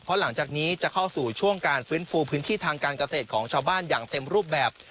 เพราะหลังจากนี้จะเข้าสู่ช่วงการฟื้นฟูพื้นที่ทางการเกษตรของชาวบ้านอย่างเต็มรูปแบบ